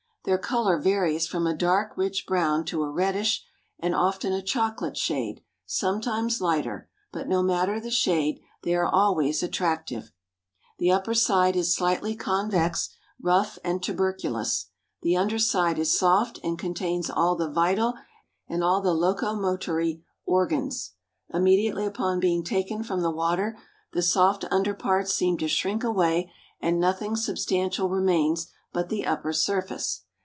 Their color varies from a dark rich brown to a reddish, and often a chocolate shade, sometimes lighter; but no matter the shade, they are always attractive. The upper side is slightly convex, rough and tuberculous; the under side is soft and contains all the vital and locomotory organs. Immediately upon being taken from the water the soft under parts seem to shrink away and nothing substantial remains but the upper surface.